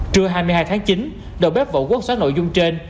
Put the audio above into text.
trưa hai mươi hai tháng chín đầu bếp võ quốc xóa nội dung trên